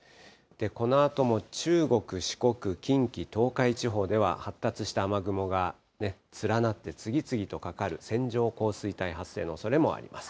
このあとも中国、四国、近畿、東海地方では、発達した雨雲が連なって、次々とかかる線状降水帯、発生のおそれもあります。